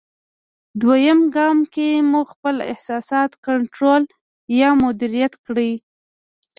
دوېم ګام کې مو خپل احساسات کنټرول یا مدیریت کړئ.